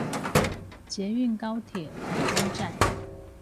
捷運高鐵臺中站